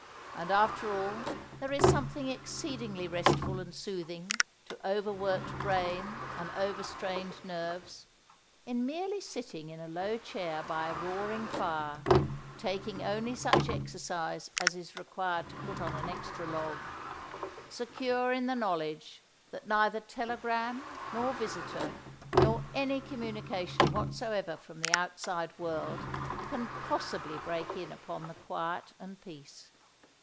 And after all there is something exceedingly restful and soothing to over worked brain and over strained nerves, in merely sitting in a low chair by a roaring fire, taking only such exercise as is required to put on an extra log, secure in the knowledge that neither telegram, nor visitor, nor any communication whatsoever from the outside world can possibly break in upon the quiet and peace.